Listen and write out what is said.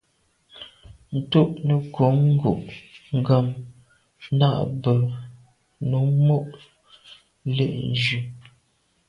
Ntù’ nekum ngu’ gham nà à be num mo’ le’njù.